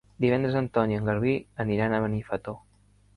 Divendres en Ton i en Garbí aniran a Benifato.